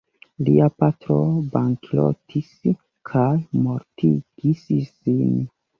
Lia patro bankrotis kaj mortigis sin.